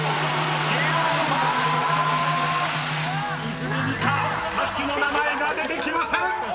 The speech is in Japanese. ［泉里香歌手の名前が出てきません！］